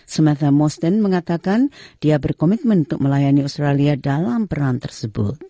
samantha mostyn mengatakan dia berkomitmen untuk melayani australia dalam peran tersebut